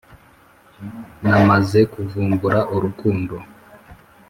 namaze kuvumbura urukundo